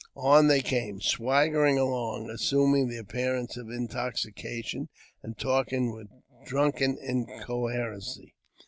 On they came, swagger ing along, assuming the appearance of intoxication, and talking with drunken incoherency.